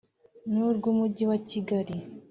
n urw Umujyi wa Kigali